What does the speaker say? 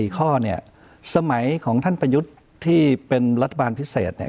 ๔ข้อเนี่ยสมัยของท่านประยุทธ์ที่เป็นรัฐบาลพิเศษเนี่ย